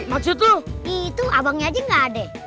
maksud lu itu abangnya aja nggak ada